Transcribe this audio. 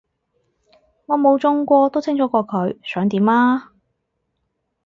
我冇中過都清楚過佢想點啊